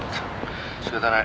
仕方ない。